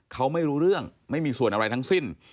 เขาไม่รู้เรื่องไม่มีส่วนอะไรทั้งสิ้น